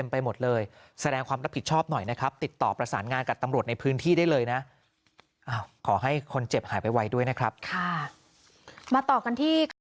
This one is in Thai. ผมว่าจะรอดมาได้